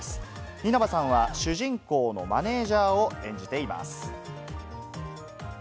稲葉さんは主人公のマネジャーを演じています。